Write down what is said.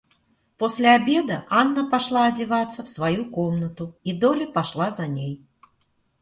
После обеда Анна пошла одеваться в свою комнату, и Долли пошла за ней.